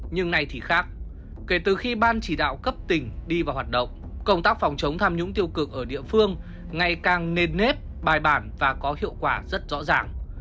nhưng nay thì khác kể từ khi ban chỉ đạo cấp tỉnh đi vào hoạt động công tác phòng chống tham nhũng tiêu cực ở địa phương ngày càng nền nếp bài bản và có hiệu quả rất rõ ràng